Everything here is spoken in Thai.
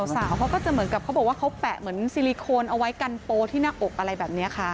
เขาก็จะเหมือนกับเขาบอกว่าเขาแปะเหมือนซิลิโคนเอาไว้กันโปที่หน้าอกอะไรแบบนี้ค่ะ